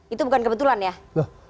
itu bukan kebetulan ya